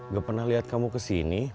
gak pernah lihat kamu kesini